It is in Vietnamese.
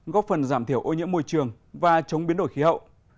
góp phần giảm thiểu ô nhiễm môi trường và chống biến đổi khí hậu